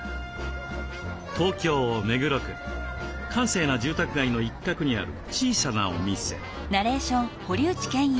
閑静な住宅街の一角にある小さなお店。